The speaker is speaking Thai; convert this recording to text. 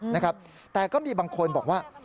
นะครับแต่ก็มีบางคนบอกว่า